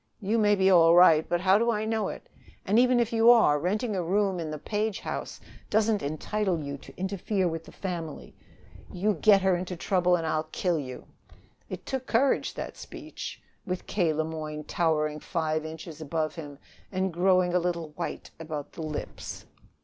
You may be all right, but how do I know it? And, even if you are, renting a room in the Page house doesn't entitle you to interfere with the family. You get her into trouble and I'll kill you!" It took courage, that speech, with K. Le Moyne towering five inches above him and growing a little white about the lips.